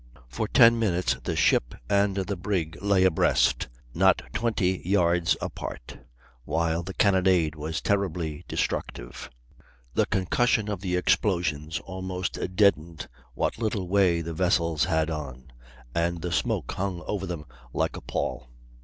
For ten minutes the ship and the brig lay abreast, not twenty yards apart, while the cannonade was terribly destructive. The concussion of the explosions almost deadened what little way the vessels had on, and the smoke hung over them like a pall.